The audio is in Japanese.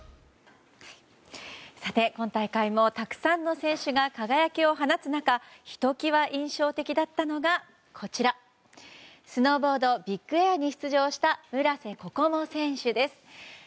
さて今大会もたくさんの選手が輝きを放つ中ひときわ印象的だったのがスノーボード・ビッグエアに出場した村瀬心椛選手です。